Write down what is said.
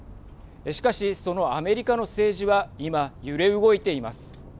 しかし、そのアメリカの政治は今、揺れ動いています。